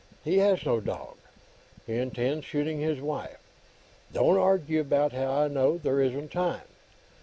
He has no dog. He intends shooting his wife. Don't argue about how I know; there isn't time.